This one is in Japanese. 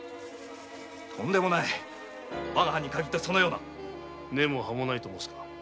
とんでもない我が藩にかぎってそのような根も葉もないと申すのか？